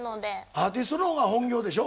アーティストのほうが本業でしょ？